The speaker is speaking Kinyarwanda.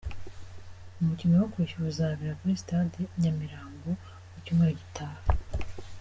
Umukino wo kwishyura uzabera kuri Stade Nyamirambo mu cyumweru gitaha.